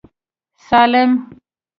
سالم.